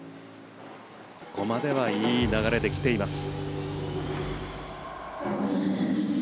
ここまではいい流れで来ています。